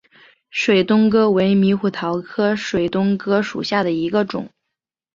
水东哥为猕猴桃科水东哥属下的一个种。